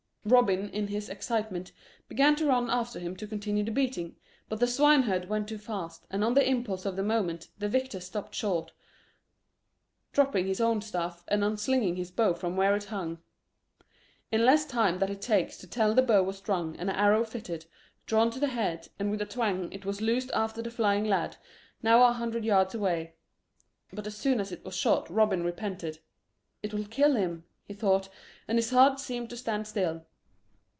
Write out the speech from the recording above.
Robin in his excitement began to run after him to continue the beating, but the swineherd went too fast, and on the impulse of the moment the victor stopped short, dropping his own staff and unslinging his bow from where it hung. In less time than it takes to tell the bow was strung and an arrow fitted, drawn to the head, and with a twang it was loosed after the flying lad, now a hundred yards away; but as soon as it was shot Robin repented. "It'll kill him," he thought, and his heart seemed to stand still.